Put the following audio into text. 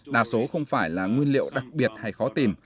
đa số không phải là nguyên liệu đặc biệt hay khó tìm